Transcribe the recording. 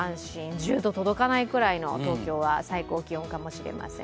１０度届かないくらいの東京は最高気温かもしれません。